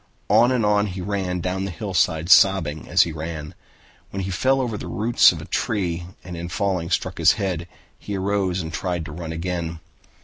On and on he ran down the hillside, sobbing as he ran. When he fell over the roots of a tree and in falling struck his head, he arose and tried to run on again.